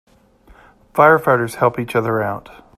Firefighters help each other out.